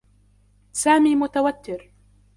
سامي متوتّر.